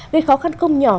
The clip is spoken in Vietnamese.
về khó khăn không nhỏ